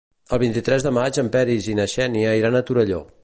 El vint-i-tres de maig en Peris i na Xènia iran a Torelló.